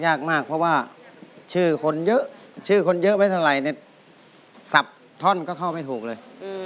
ยากมากเพราะว่าชื่อคนเยอะชื่อคนเยอะไม่เท่าไหร่เนี่ยสับท่อนก็เข้าไม่ถูกเลย